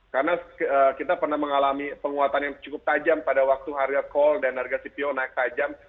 karena kita pernah mengalami penguatan yang cukup tajam pada waktu harga kol dan harga cpo naik tajam